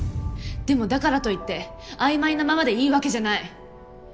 でもだからといって曖昧なままでいいわけじゃない。